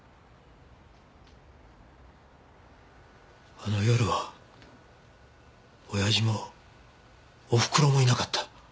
あの夜は親父もおふくろもいなかった。